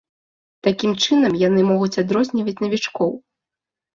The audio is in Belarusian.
Такім чынам яны могуць адрозніваць навічкоў.